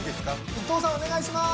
伊藤さんお願いします